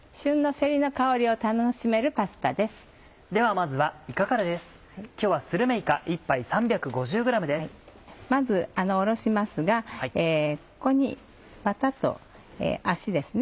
まずおろしますがここにワタと足ですね。